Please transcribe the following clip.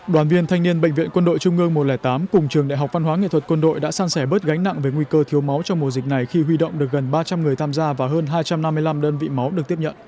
đoàn viên thanh niên bệnh viện quân đội trung ương một trăm linh tám cùng trường đại học văn hóa nghệ thuật quân đội đã san sẻ bớt gánh nặng về nguy cơ thiếu máu trong mùa dịch này khi huy động được gần ba trăm linh người tham gia và hơn hai trăm năm mươi năm đơn vị máu được tiếp nhận